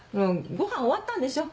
ごはん終わったんでしょ？